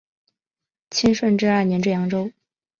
清顺治二年至扬州。